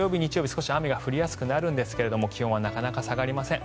少し雨が降りやすくなりますが気温はなかなか下がりません。